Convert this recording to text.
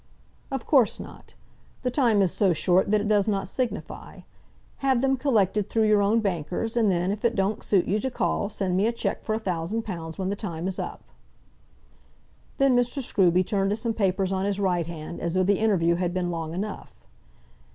"Of course not. The time is so short that it does not signify. Have them collected through your own bankers, and then, if it don't suit you to call, send me a cheque for a thousand pounds when the time is up." Then Mr. Scruby turned to some papers on his right hand, as though the interview had been long enough.